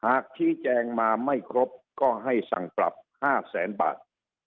ชี้แจงมาไม่ครบก็ให้สั่งปรับ๕แสนบาท